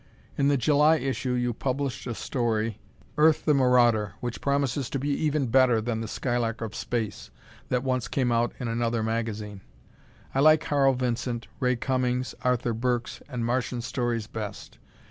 In the July issue you published a story, "Earth, the Marauder," which promises to be even better than the "Skylark of Space" that once came out in another magazine. I like Harl Vincent, Ray Cummings, Arthur Burks, and Martian stories best.